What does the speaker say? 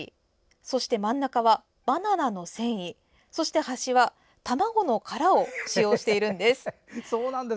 そして真ん中はバナナの繊維卵の殻を使用しているんです。